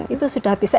itu sudah bisa